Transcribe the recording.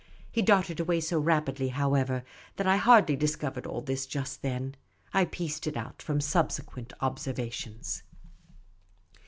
He darted away so rapidly, however, that I hardly discovered all this just then. I piece it out from subsequent observations.